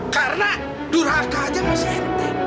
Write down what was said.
karena duraka aja masih enteng